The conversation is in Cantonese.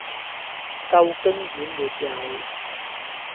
夠驚險沒有？